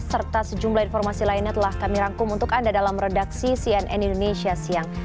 serta sejumlah informasi lainnya telah kami rangkum untuk anda dalam redaksi cnn indonesia siang